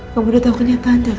kamu udah tahu kenyataan dia kan